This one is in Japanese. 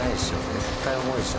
絶対重いでしょ。